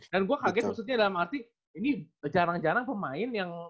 dan gue kaget maksudnya dalam arti ini jarang jarang pemain yang